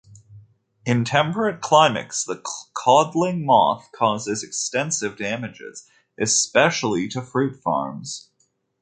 In temperate climates, the codling moth causes extensive damage, especially to fruit farms.